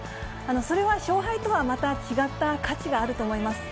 それは勝敗とはまた違った価値があると思います。